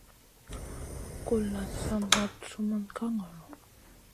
Kulʼla sa moɗ sumun ka ŋolo.